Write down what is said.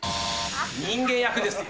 人間役ですよ。